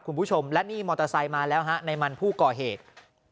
คุณผู้ชมและนี่มอเตอร์ไซค์มาแล้วฮะในมันผู้ก่อเหตุ